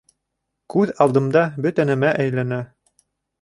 Күҙ алдымда бөтә нәмә әйләнә